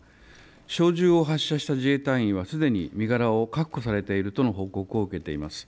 小銃を発射した自衛隊員はすでに身柄を確保されているとの報告を受けています。